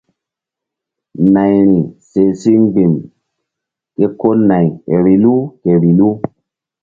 Nayri seh si mgbi̧m ke ko nay vbilu ke vbilu.